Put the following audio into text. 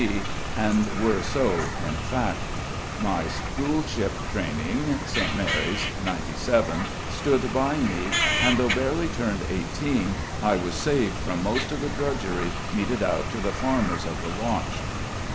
B. and were so in fact. My schoolship training (St. Mary's '97) stood by me, and though barely turned eighteen, I was saved from most of the drudgery meted out to the farmers of the watch.